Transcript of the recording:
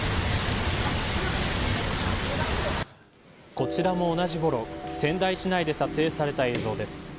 こちらも同じころ仙台市内で撮影された映像です。